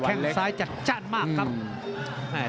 เป็นมวยที่แท่งซ้ายจัดจ้านมากครับ